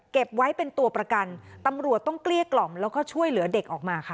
ไว้เป็นตัวประกันตำรวจต้องเกลี้ยกล่อมแล้วก็ช่วยเหลือเด็กออกมาค่ะ